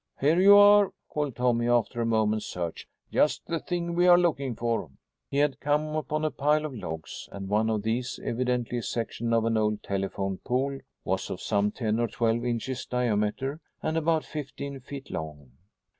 "Here you are," called Tommy, after a moment's search. "Just the thing we are looking for." He had come upon a pile of logs, and one of these, evidently a section of an old telephone pole, was of some ten or twelve inches diameter and about fifteen feet long.